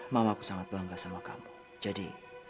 mama aku sangat bangga sama kamu jadi